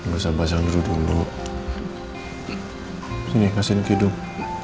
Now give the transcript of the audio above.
bisa pasang dulu sini kasih hidung